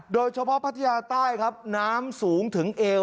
พัทยาใต้ครับน้ำสูงถึงเอว